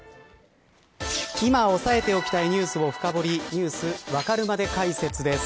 今、押さえておきたいニュースを深掘りニュースわかるまで解説です。